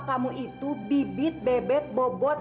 kamu itu bibit bebek bobot